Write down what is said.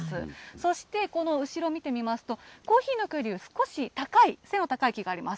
そしてこの後ろ見てみますと、コーヒーの木より少し高い、背の高い木があります。